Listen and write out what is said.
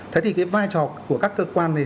thế thì cái vai trò của các cơ quan này